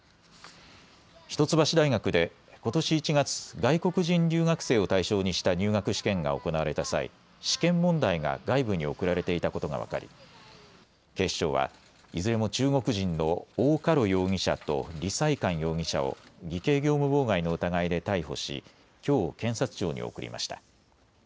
一橋大学でことし１月、外国人留学生を対象にした入学試験が行われた際、試験問題が外部に送られていたことが分かり警視庁はいずれも中国人の王嘉ろ容疑者と李さい寒容疑者を偽計業務妨害の疑いで逮捕しきょう検察庁に送りました。